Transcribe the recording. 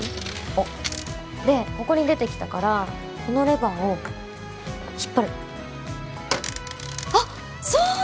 おっでここに出てきたからこのレバーを引っ張るあっそう！